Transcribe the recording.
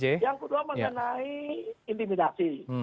saya menyenangkan intimidasi